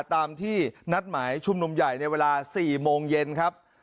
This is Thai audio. ตามที่นัดหมายชุมนุมใหญ่ในเวลา๔โมงเย็นครับ